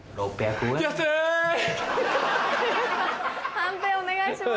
判定お願いします。